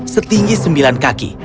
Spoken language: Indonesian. setinggi sembilan kaki